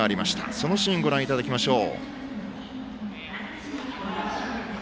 そのシーンご覧いただきましょう。